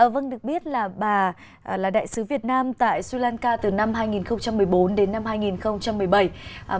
vâng được biết là bà là đại sứ việt nam tại sri lanka từ năm hai nghìn một mươi bốn đến năm hai nghìn một mươi bảy